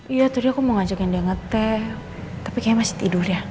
iya tadi aku mau ngajakin dia ngeteh tapi kayaknya masih tidur ya